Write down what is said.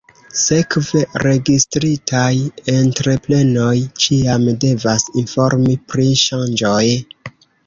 Sekve, registritaj entreprenoj ĉiam devas informi pri ŝanĝoj.